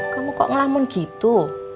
kamu kok ngelamun gitu